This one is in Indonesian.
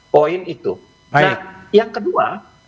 poin itu nah yang kedua